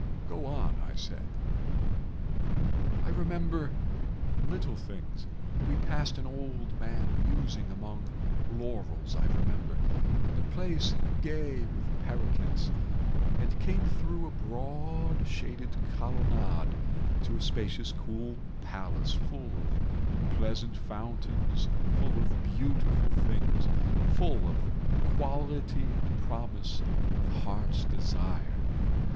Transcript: "Go on," I said. "I remember little things. We passed an old man musing among laurels, I remember, and a place gay with paroquets, and came through a broad shaded colonnade to a spacious cool palace, full of pleasant fountains, full of beautiful things, full of the quality and promise of heart's desire.